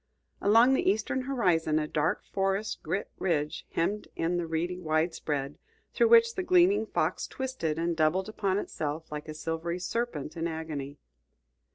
Along the eastern horizon a dark forest girt ridge hemmed in the reedy widespread, through which the gleaming Fox twisted and doubled upon itself like a silvery serpent in agony.